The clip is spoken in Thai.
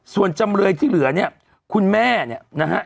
ส่วนจำเลยที่เหลือเนี่ยคุณแม่เนี่ยนะฮะ